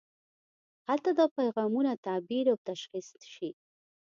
هلته دا پیغامونه تعبیر او تشخیص شي.